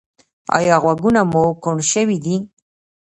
ایا غوږونه مو کڼ شوي دي؟